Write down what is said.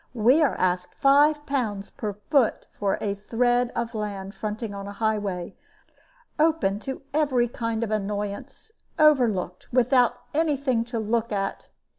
We are asked 5 pounds per foot for a thread of land fronting on a highway, open to every kind of annoyance, overlooked, without any thing to look at.